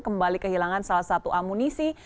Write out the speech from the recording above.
kembali kehilangan salah satu amunisi